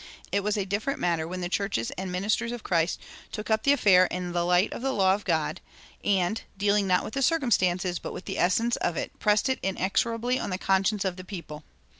It was a different matter when the churches and ministers of Christ took up the affair in the light of the law of God, and, dealing not with the circumstances but with the essence of it, pressed it inexorably on the conscience of the people.